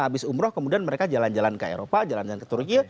habis umroh kemudian mereka jalan jalan ke eropa jalan jalan ke turki